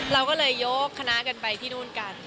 เราก็เลยยกคณะกันไปที่นู่นกัน